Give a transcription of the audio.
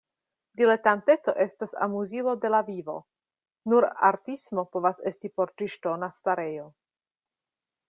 Diletanteco estas amuzilo de la vivo, nur artismo povas esti por ĝi ŝtona starejo.